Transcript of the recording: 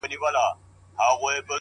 مخامخ وتراشل سوي بت ته گوري’